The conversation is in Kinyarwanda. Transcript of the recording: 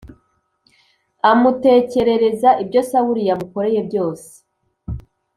amutekerereza ibyo Sawuli yamukoreye byose.